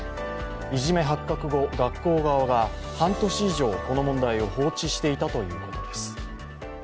いじめ発覚後、学校側が半年以上この問題を放置していたということです。